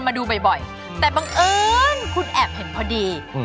แล้วคุณพูดกับอันนี้ก็ไม่รู้นะผมว่ามันความเป็นส่วนตัวซึ่งกัน